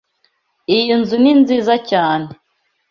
Iyi nzu ni nziza cyane.